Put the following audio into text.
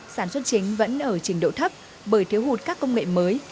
sản xuất chính vẫn ở trình độ thấp bởi thiếu hụt các công nghệ mới